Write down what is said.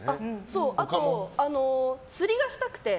そう、あと釣りがしたくて。